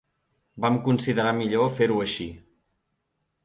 Vam considerar millor fer-ho aixi.